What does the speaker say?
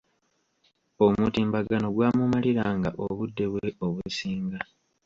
Omutimbagano gwamumaliranga obudde bwe obusinga.